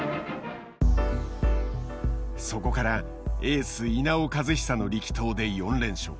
そこからエース稲尾和久の力投で４連勝。